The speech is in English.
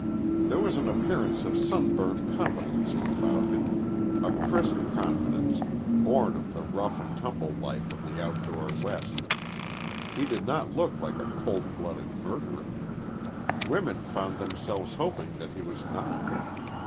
There was an appearance of sunburnt competency about him, a crisp confidence born of the rough and tumble life of the outdoor West. He did not look like a cold blooded murderer. Women found themselves hoping that he was not.